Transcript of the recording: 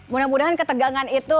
mudah mudahan ketegangan itu